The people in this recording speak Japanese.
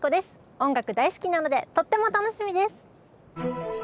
音楽大好きなのでとっても楽しみです。